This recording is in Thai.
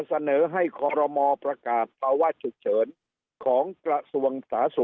เสนอให้ขรมอประกาศปวชุกเฉิญของกระสวงสาธราศุ